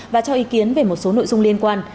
và cho ý kiến về một số nội dung liên quan